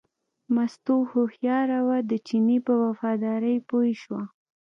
مستو هوښیاره وه، د چیني په وفادارۍ پوه شوه.